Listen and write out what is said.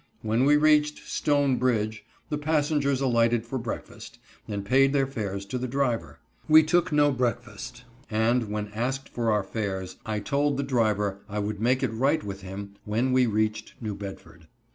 When we reached "Stone Bridge" the passengers alighted for breakfast, and paid their fares to the driver. We took no breakfast, and, when asked for our fares, I told the driver I would make it right with him when we reached New Bedford.